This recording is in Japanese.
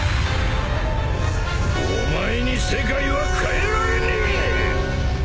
お前に世界は変えられねえ！